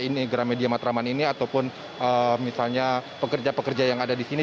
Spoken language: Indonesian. ini gramedia matraman ini ataupun misalnya pekerja pekerja yang ada di sini